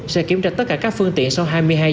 sẽ kiểm tra tất cả các phương tiện sau hai mươi hai h